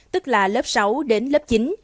tức là lớp sáu đến lớp chín